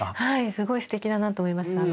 すごいすてきだなと思います。